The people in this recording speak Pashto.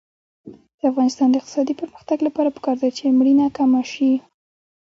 د افغانستان د اقتصادي پرمختګ لپاره پکار ده چې مړینه کمه شي.